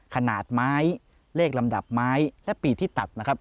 ขนาดไม้เลขลำดับไม้และปีกที่ตัดนะครับ